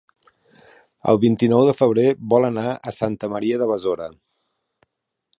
El vint-i-nou de febrer vol anar a Santa Maria de Besora.